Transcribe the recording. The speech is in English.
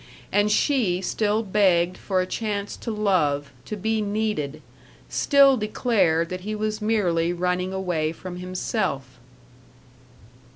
And she still begged for a chance to love, to be needed; still declared that he was merely running away from himself.